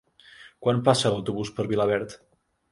Quan passa l'autobús per Vilaverd?